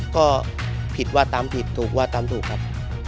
ก็ผิดว่าตามผิดถูกว่าตามถูกครับ